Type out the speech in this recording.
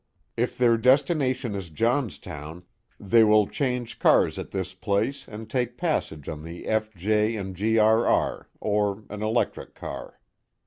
If their destination is Johnstown, they will change cars at this place and take passage on the F. J. & G. R. R.^ or an electric car.